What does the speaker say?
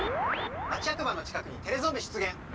町やく場の近くにテレゾンビ出げん！